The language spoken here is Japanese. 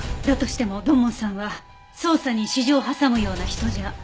だとしても土門さんは捜査に私情を挟むような人じゃ。